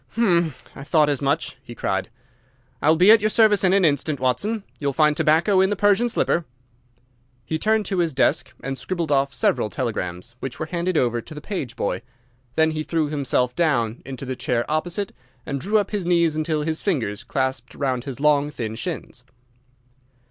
"Hum! I thought as much!" he cried. "I will be at your service in an instant, Watson. You will find tobacco in the Persian slipper." He turned to his desk and scribbled off several telegrams, which were handed over to the page boy. Then he threw himself down into the chair opposite, and drew up his knees until his fingers clasped round his long, thin shins.